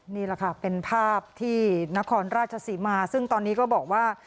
นี่แหละค่ะเป็นภาพที่นครราชศรีมาซึ่งตอนนี้ก็บอกว่า